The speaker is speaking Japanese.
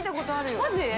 ◆マジ？